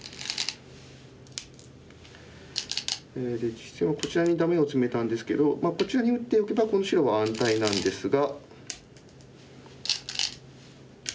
実戦はこちらにダメをツメたんですけどこちらに打っておけばこの白は安泰なんですが。